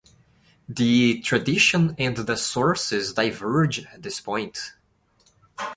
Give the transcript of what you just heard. The tradition and the sources diverge at this point.